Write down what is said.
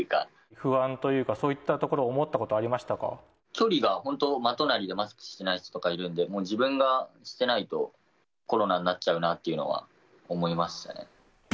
不安というか、そういったと距離が本当、真隣でマスクしてない人とかいるんで、もう自分がしてないと、コロナになっちゃうなというのは思いましたね。